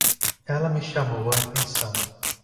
Ela me chamou a atenção!